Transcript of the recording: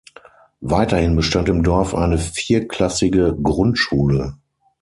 Weiterhin bestand im Dorf eine vierklassige Grundschule.